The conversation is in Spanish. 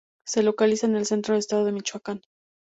Se localiza en el centro del Estado de Michoacán.